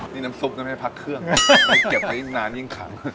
นี่น้ำซุปจะไม่ได้พักเครื่องไม่เก็บไปยิ่งนานยิ่งขัง